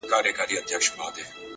څښل مو تويول مو شرابونه د جلال.